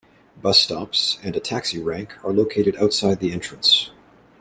Bus stops and a taxi rank are located outside the entrance.